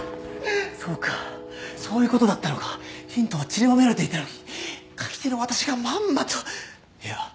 そうかそういうことだったのかヒントは散りばめられていたのに書き手の私がまんまといや